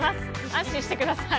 安心してください。